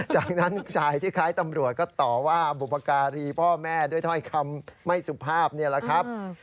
จากนั้นชายที่คล้ายตำรวจก็ต่อว่าบุพการีพ่อแม่ด้วยถ้อยคำไม่สุภาพนี่แหละครับ